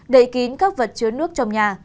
đậy kín các vật chứa nước trong nhà